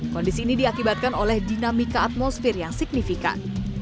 kondisi ini diakibatkan oleh dinamika atmosfer yang signifikan